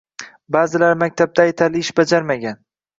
Ba’zilari maktabda aytarli ish bajarmagan.